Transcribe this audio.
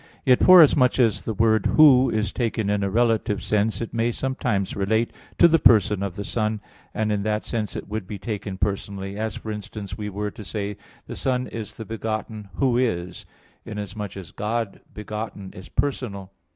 Yet, forasmuch as the word "Who" is taken in a relative sense, it may sometimes relate to the person of the Son; and in that sense it would be taken personally; as, for instance, were we to say, "The Son is the begotten 'Who is,'" inasmuch as "God begotten is personal."